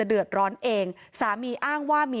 แต่เธอก็ไม่ละความพยายาม